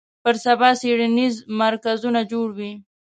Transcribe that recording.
پر سبا څېړنیز مرکزونه جوړ وي